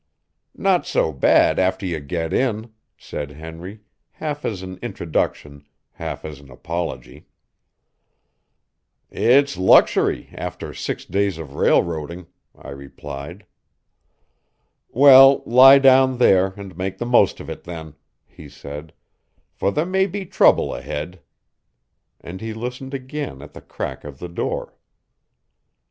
"Not so bad after you get in," said Henry, half as an introduction, half as an apology. "It's luxury after six days of railroading," I replied. "Well, lie down there, and make the most of it, then," he said, "for there may be trouble ahead." And he listened again at the crack of the door.